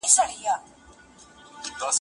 په دلاساینه مې غېږ کې ونیوله